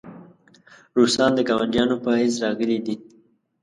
روسان د ګاونډیانو په حیث راغلي دي.